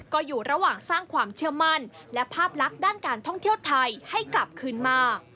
ก็อยู่ระหว่างสร้างความเชื่อมั่นและภาพลักษณ์ด้านการท่องเที่ยวไทยให้กลับคืนมา